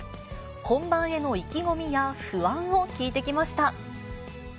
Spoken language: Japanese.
本番への意気込みや不安を聞いてきました。